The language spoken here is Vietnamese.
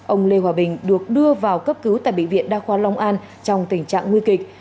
ông lê hòa bình được đưa vào cấp cứu tại bệnh viện đa khoa long an trong tình trạng nguy kịch